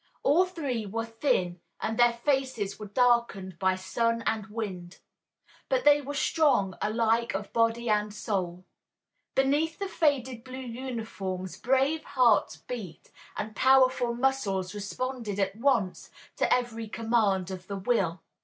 All three were thin and their faces were darkened by sun and wind. But they were strong alike of body and soul. Beneath the faded blue uniforms brave hearts beat and powerful muscles responded at once to every command of the will.